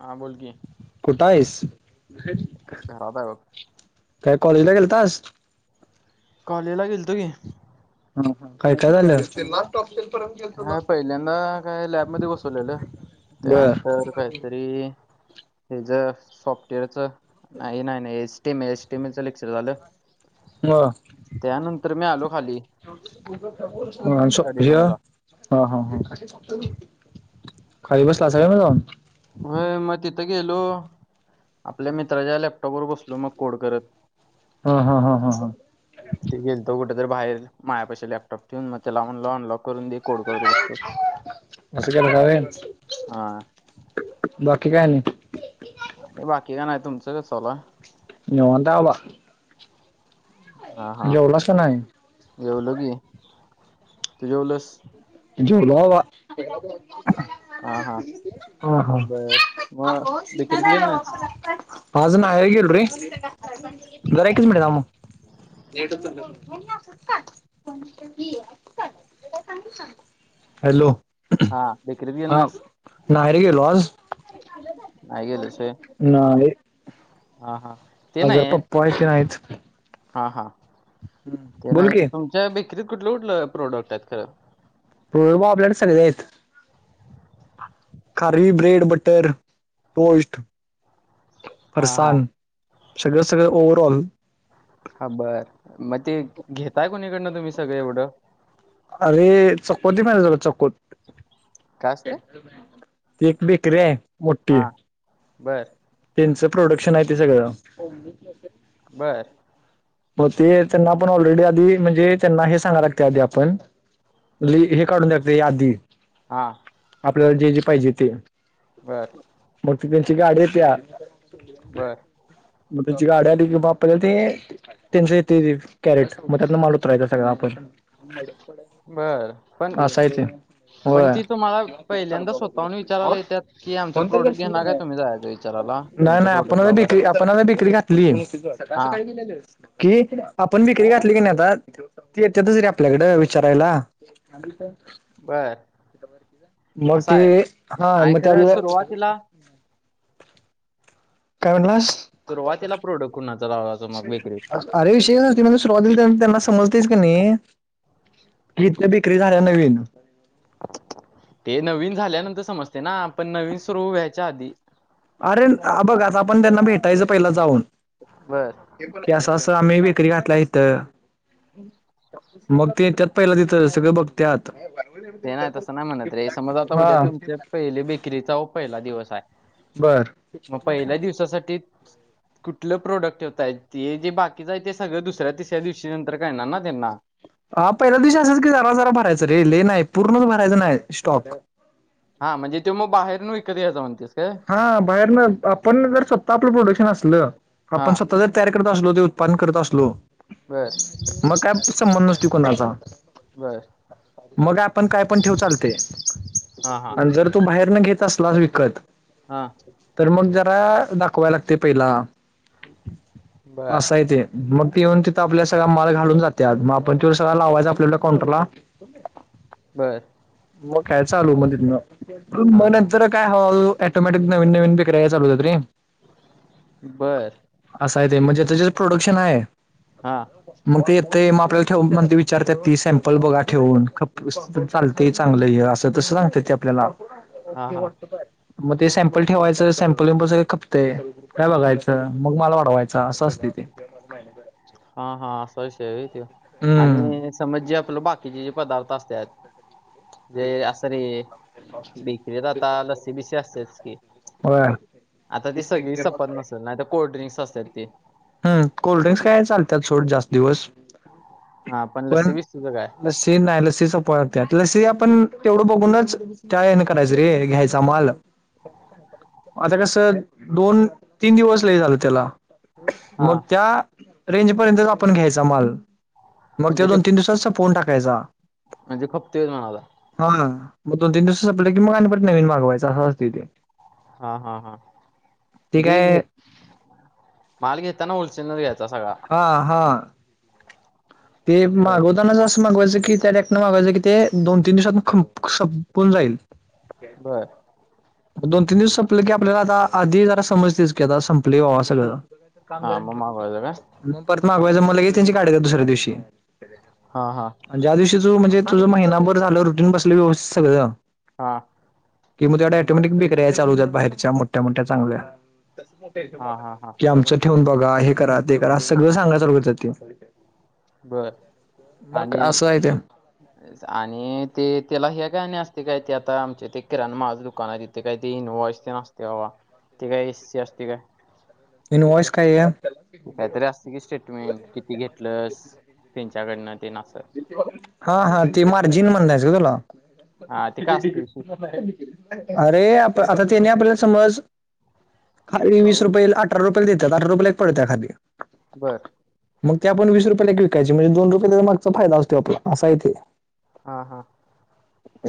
हा बोल की कुट हायस? [unintelligible] घरात आहे बघ काय कॉलेजला गेलतास? कॉलेला गेलतो की. हम्म हं काय काय झालं आज? हा पहिल्यांदा काय लॅबमध्येध बसवलेलं बर त्यानंतर काहीतरी हे ज सॉफ्टवेअरच नाही नाही नाही एस टीम एस टीम च लेक्चर झालं. मग त्यानंतर मी आलो खाली स्टडी रूमला [unintelligible] हा हा खाली बसलास का म जाऊन? होय मग तिथं गेलो आपल्या मित्राच्या लॅपटॉप वर बसलो मग कोड करतं. हा हा हा हा हा. ते गेल तो कुठे तर बाहेर मायापाशी लॅपटॉप ठेवून मग त्याला लावन अनलॉक करून दे. कोड करत बसलो असशी काल खवे हा बाकी कायनी आणि बाकी का नाही तुमचं कास चवला विवांत आहे बाबा. जेवलासा काय नाय. जेवलं की, तू जेवलस? जेवलो बाबा हा हा बर [inaudible] मग बेकरीत गेल नाहीस आज ना ह गेल ररी जरा एकच मिनिट हा थांब. अस काय सांगू सांग. हॅलो. हा बिकरीत गेल हा ना नाही रे गेलो आज. नाही गेलस हा हा. ते नाही अगरपा पय क नाहीच. हा हा ते बोल नाही तर की तुमच्या बेकरीत कुठलं कुठलं प्रोडक्ट आहेत खरं? प्रोडक्ट बग आपल्या कड सगळी आहेत. खरी, ब्रेड, बटर, टोस्ट. हा हा फसान सगळं सगळं ओवरऑल. हा बरं मग ते घेताय कोणीकडनं तुम्ही सगळं एवढं. अरे चकोती म झाला चकोत. काय असते एक बेकरी हाय. हा बरं. त्यांचं प्रोडक्शन आहे. ते सगळं बरं. मग ते त्यांना आपण ऑलरेडी आधी म्हणजे त्यांना हे सांगा लागते आधी आपण. ल हे काढून द्याकते यादी, हा, आपल्याला जे जे पाहिजे ते. बर. मग त त्यांची गाडी येत्या बर मग तुझ गाड्या आली कि बाला ते तीनशेती कॅरेट मग त्यातन माल उत राहायचा सगळं आपण बर पण. असं आहे ते पण होय ती तुम्हाला पहिल्यांदा स्वतः हून विचारयला येतात की आमचं प्रोडक्ट घेणार का तुम्ही जायच. नाही, नाही आपण बिक्री आपण बिक्री घातली हा असं काही नाही. कि आपण विक्री घातली की नाही आता ती येते तच रे आपल्याकडे विचारायला. बर मग असं ते आहे हा आणि मग त्या खरं सुरुवातीला काय म्हणट्लास. सुरुवातीला प्रोडक्ट कोणाचा लावायच मग बेकरीत. अरे विषय नस म्हणजे सुरुवाती त्यांना समजतेस का नाही. क इथल्या बिक्री झाल्या नवीन ते नवीन झाल्यानंतर समजते ना पण नवीन सुरू व्यायच्या आधी अरे बघा आज आपण त्यांना भेटायचं पहिला जाऊन. बरं. कं असं आम्ही बेकरी घातला इथ. मग ते त्यात पहिलं तिथं सगळे बघ त्यात ते नाही तसं नाही म्हणत रे समज आता हा. उद्या तुमच्या पहिले बेकरीचा व पहिला दिवस आहे बर मग पहिल्या दिवसासाठी. कुठलं प्रोडक्ट ठेताय. हे जे बाकीचं आहे ते सगळं दुसऱ्या तिसऱ्या दिवशी नंतर काणार ना त्यांना हा पहिल्या दिवशी असंच की जरा-जरा भरायचं रे ल नाही पूर्णच भरायचं नाही स्टॉक. हा म्हणजे ते मग बाहेरन विकत घ्यायचा म्हणतेस काय? हा बाहेर ना आपण जर स्वतः आपलं प्रोडक्शन असलं आपण हा स्वतः जर. तयार करत असलो ते उत्पादन करत असलो. बर. मग काय संबंध नसतय कूनाचा. बर. मग आपण काय पण ठेव चालते हा हा आणि जर तू बाहेर न घेत. तसलाच विकत. हा. तर मग जरा दाखवाय लागते पहिला बर असा आहे ते. मग ते येऊन तिथं आपल्या सगळ्या मग ते येऊन तिथं आपला सगळा माल घालून जातेात मग आपण ति सगळं लावायच आपल्या आपल्या काउंटरला. हो. बर. मग काय चालू मग तिथंन हा मण हा जर काय हळूहळू. ॲटोमॅटिक नवीन-नवीन विक्रया चालू होतात रे. बरं. असा आहे ते म्हणजे त्याच्या प्रोडक्शन आहे. हा. मग ते येत मग आपल्याला ठेव म्हण विचारत ती सॅम्पल बघा ठेवून ख चालते चांगलं असं तस सांगत ते आपल्याला. हा हा मग ते सॅम्पल ठेवायचं सॅम्पल सगं खपतेय. काय बघायचं मग माल वाढवायच असं असते ते. [unintelligible] हा हा असं विशय आहे ते हम्म आणि समज जे आपलं बाकीचे जे पदार्थ असतात. ते अस रे. बेकरी आता लस्सी बिशी असतेच की होय आता ती सगळी संपत नसते. नाही तर कोल्ड्रिंक्स असतात ते. हम् कोल्ड्रिंक्स काय चालतात सोड जास्त दिवस. हा पण लसी-वीसी च काय. लस्सी नाही लसीच पते लस्सी आपण तेवढं बघूनच. त्यान करायचं रे घ्यायचा माल. आता कस दोन-तीन दिवस लय झालं त्याला. हा मग त्या रेंज पर्यंत आपण घ्यायचा माल. मग ते दोन-तीन दिवसात संपून टाकायचा. म्हणजे खप्तेय माल. हा मग दोन-तीन दिवसंटलं की मग आणि नवीन मागवायचं असं असते तिे. हा हा हा ते जे काय घ माल घेताना होलसेलर घ्यायचा सगळा. हा हा. ते बर मागवताना असं मागवायचं की त्या. ना मागायचं की ते दोन-तीन दिवसात खप खपून जाईल. बरं. मग दोन-तीन दिवस संपले की आपल्याला आता आधी जरा समजतेस की आता संपले बावा सगळं. हा कामरा मग मागवायचं का मग परत मग मागवायचं मलागे त्यांची काढ दुसऱ्या दिवशी. हा हा ज्या दिवशी तू म्हणजे तुझ महिनाभर झालं रुटीन बसलं व्यवस्थित सगळ. हा. कि मग तेवढ्या ऑटोमॅटिक बकऱ्या चालूतात बाहेरच्या मोठ्या मोठ्या चांगल्या हा हा हा की आमचं ठेवून बघा हे करा ते करा सगळं सांगाय चालू त्यो बर [inaudible] मग आणि असं आहे ते. [unintelligible] आणि ते त्याला हे गाणी असते काय ते आता आमचे ते किराण माझं दुकान आहे तिथे काय ते इनोवा ते नसते. तेव्हा ती काय एस सी असते काय इन्व्होइस काय हया [unintelligible] असत की स्टेटमेंट किती घेतलस त्यांच्याकडनं त्यांना असं हा हा ते मार्जिन म्हणयचं का तुला? हा ते काय असते विषय अरे आता त्यांनी आपल्याला समज खरी वीस रुपये अठरा रुपयाला देतात अठरा रुपयाला एक पडत्या खारी बरं. मग ते आपण वीस रुपयाला एक विकायचे म्हणजे दोन रुपयाला मागचा फायदा असतो आपला अस आहे ते हा हा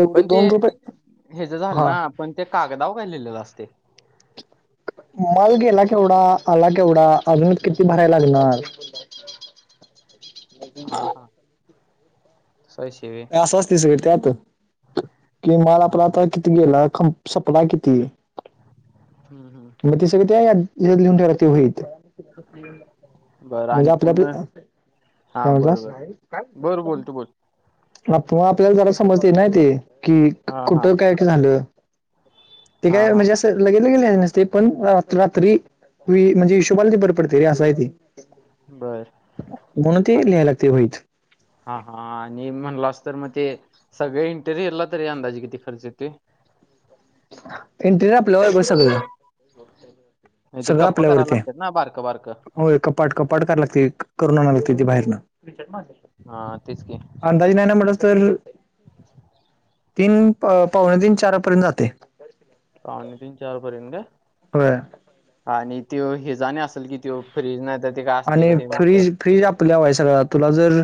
एवढे पण ते दोन रुपये ह्याचं झालं हा ना पण ते कागदावर काय लिहिलेलं असते मल गेला केवढा, आला केवढा, अजून किती भरायला लागणार हा हा. स शिवी असंच असते सगळ त्यात कि माल हा आपला हा आता [unintelligible] संपला किती? हम्म हम्म. [unintelligible] बरं म्हणजे आणि पूर्ण आपल्याल्या हा काय बरं बोललास? बरं बरं बोल तू बोल आपो आपल्याला जरा समजते ना ते कि हा हा कुठं काय काय झालं ते हा काय हा म्हणजे असं लगे [unintelligible] आहे नसते पण रात रात्री [unintelligible] म्हणजे हिशबाला ते बरे पडते रे अस हाय ते बर म्हणून ते आ लिहायला लागते वहीत हा हा आणि म्हणलं अस तर मग ते सगळे इंटेरियरला तरी अंदाजे किती खर्च येत इंटिरिअर आपल्यावर सगळं [inaudible] आणि ते सगळं कप्प करायला आपल्यावरती आहे. लागतात ना बारकं बारकं होय कपाट कपाट करायला लागते करून आणतात ती बाहेरन हा तेच की अंदाजे नाही ना म्हटलं तर तीन पावणे तीन चारपर्यंत जाते [inaudible] पावणे तीन चार पर्यंत काय? होय आणि त्यो हे जाणे असेल कि त्यो फ्रीज नाही ते का आणि फ्रीज फ्रीज आपल्या व्हाय सगळं तुला जर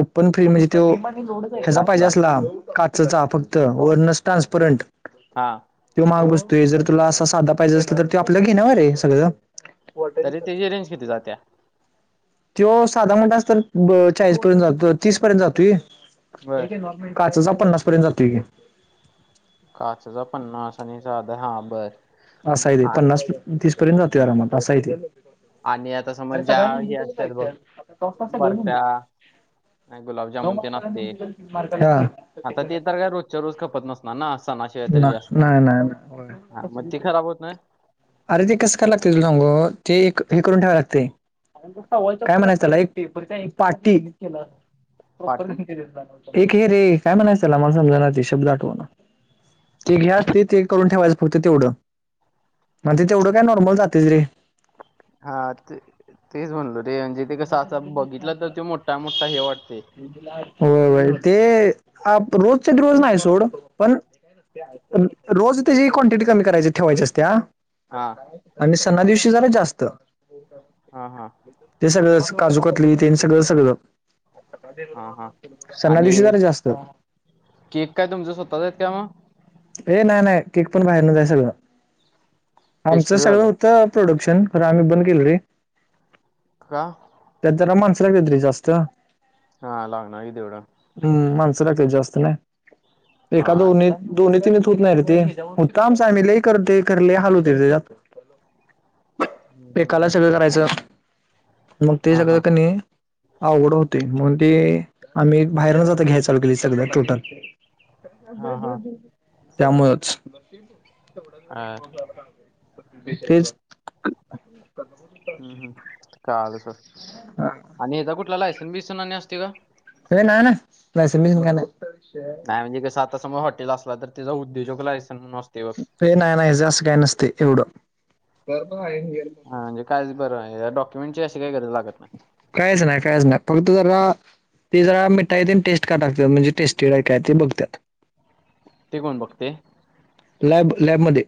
ओपन फ्रीज म्हणजे त्यो ह्याचा पाहिजे काचचा असला काचेचा फक्त वरन ट्रान्सपरंट हा. तो महाग बसतोय जर तुला असा साधा पाहिजे असेल तर ते आपल्याला घेणार वर आहे सगळं तरी त्याची रेंज किती जात्या? तो साधा म्हणाला तर चाळीस पर्यंत जातो तीस पर्यंत जातोय बर काचेचा पन्नास पर्यंत जातोय की काचेच पन्नास आणि साधा हा बरं. अस आहे ते, पन्नास तीस पर्यंत जातोय आरामात असं आहे ते आणि आता समज ज्या हे असतात बघ बर्फा. नाही गुलाबजामन ते नसते आता ते तर काय रोजच्या रोज खपत नसते. ना ना सणाशिवाय तरी ना- जास्त नाही नाही नाही. हा मग ती खराब होत ना अरे ते कस कय लागतय तुझं सांग ते एक हे करून ठेवाव लागते [unintelligible] काय म्हणायचं त्याला एक पाटी फाटी [unintelligible] एक हे रे काय म्हणायचं त्याला मला समज ना ते शब्द आठवेना ते हे असतं ते करून ठेवायचं फक्त तेवढं म्हणजे तेवढं काय नॉर्मल जाते रे हा तेच म्हणलो रे म्हणजे ते कसं बघितलं तर तो मोठा मोठा हे वाटते. होय ते अप्रोड रोज नाही. सोड पण रोज त्याची क्वांटिटी कमी करायची ठेवायची असत्या. हा आणि सणा दिवशी जरा जास्त हा. हा. ते सगळं काजू कतली ते सगळं सगळं. हा हा सना आणि दिवशी जरा जास्त. केक काय तुमच्या स्वतःचं आहेत तेव्हा. ए नाही नाही केक पण बाहेरन जायचं सगळं आमचं सगळं पेस्ट्रीवालं होतं. प्रोडक्शन कार्य बंद केलं रे का. त्या जरा माणसं [inaudible] तरी जास्त हा लागना तेवढं. हम्म माणसं लागते जास्त नाही हा एखाद जास्त नाही दोनी. दोन्ही तिनच होत नाही ते का आमचामला करते करले [inaudible] हलवत ते हम्म, एकाला हम्म, हम्म. सगळं करायचं मगं ते हा सगळं हा कणी. आवडं होते म्हणून ते आम्ही बाहेरन जात घ्याय सगळ्या टोटल. हा हा त्यामुळेच. अर, [inaudible] हम्म हम् कालसर. हे आणि कुठला लायसेनस बिसन आणि असते गं हे नाही नाही लायसन बेसन काही नाही नाही म्हणजे कसं आता सम हॉटल असला तर त्या उद्योजक लायसन. असते बघ ते नाय ना असं काय नसते एवढं. हां म्हणजे काय बरं या डॉक्युमेंट काही गरज लागत नाही. काहीच नाही काहीच नाही पण त जरा ते जरा मिठाईत टेस्ट का टाकतात म्हणजे टेस्टीड काय ते बघतात. ते कोण बघते. लॅब लॅबमध्ये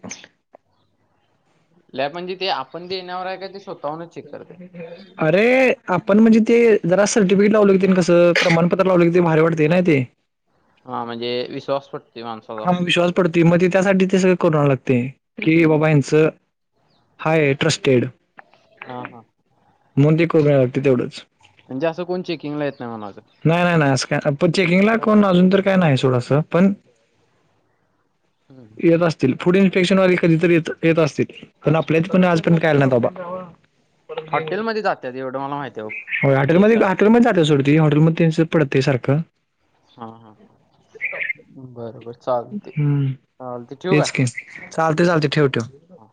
लॅब म्हणजे ते आपण जे येणार वर आहे का ते स्वतःहूनचं ह. अरे आपण म्हणजे ते जरा सर्टिफिकेट लावलं कसं प्रमाणपत्र लावलं का भारी वाटते ते. [inaudible] हा म्हणजे विश्वास पटते माणसाला हा विश्वास पडतोय मग ते त्यासाठी ते सगळं कर लागते की बाबा हचं हाय ट्रस्टेड हा हा म्हणून ते करून यायला लागते तेवढंच म्हणजे असं कोण चेकिंग ला येत नाही मलाचं नाही नाही नाही अस काय प चेकिंग ला करून ना अजून तर काय नाही थोडंसं पण हम्म. येत असेल फूड इन्फेक्शन वगर कधी य येत असतील पण आपल्या कोणी आजपर्यंत कायला नाहीत बाबा हॉटेलमध्ये जातात एवढं मला माहिती आहे हो हाँटेल चेक मध्ये करा हाँटेल मध्ये जात सोडून ते हॉटेलमध्ये सेम पडतं सारखं हा हा हा बरोबर चालते, हम्म, चालते ठेवू का? तेच की चालते, चालते ठेव ठेव. हो.